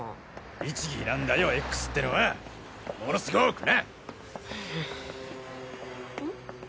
律儀なんだよＸってのはものすごくな。